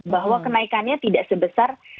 bahwa kenaikannya tidak sebesar